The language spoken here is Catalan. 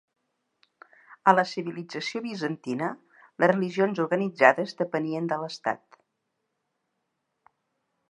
A la civilització bizantina, les religions organitzades depenien de l'Estat.